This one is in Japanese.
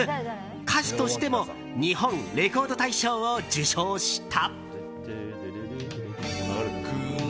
歌手としても日本レコード大賞を受賞した。